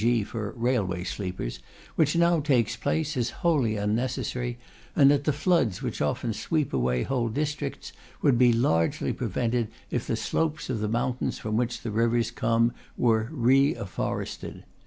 g_. for railway sleepers) which now takes place is wholly unnecessary, and that the floods which often sweep away whole districts would be largely prevented if the slopes of the mountains from which the rivers come were reafforested.